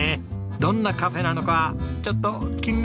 どんなカフェなのかちょっと気になります。